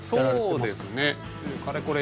そうですね。